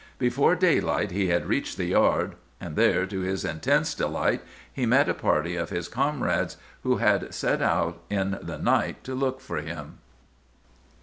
Before daylight he had reached the 'yard'; and there, to his intense delight, he met a party of his comrades who had set out in the night to look for him."